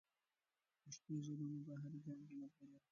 پښتو ژبه مو په هر ګام کې ملګرې وي.